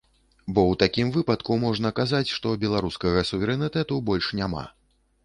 Бо ў такім выпадку можна казаць, што беларускага суверэнітэту больш няма.